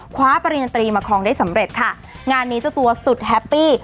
ปริญตรีมาครองได้สำเร็จค่ะงานนี้เจ้าตัวสุดแฮปปี้